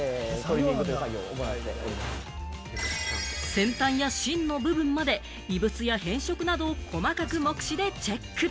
先端や芯の部分まで、異物や変色などを細かく目視でチェック。